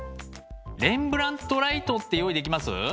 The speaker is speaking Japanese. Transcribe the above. レンブラントライトって用意できます？